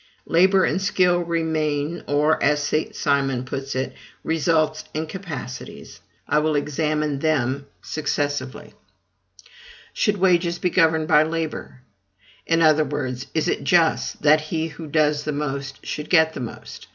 LABOR and SKILL remain; or, as St. Simon puts it, RESULTS and CAPACITIES. I will examine them successively. Should wages be governed by labor? In other words, is it just that he who does the most should get the most?